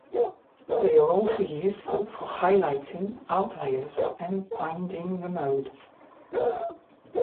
They are also useful for highlighting outliers and finding the mode.